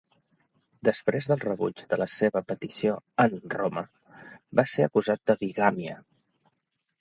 Després del rebuig de la seva petició en Roma, va ser acusat de bigàmia.